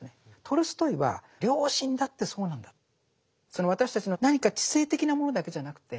トルストイは良心だってそうなんだって。